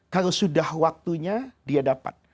kalau sudah waktunya dia dapat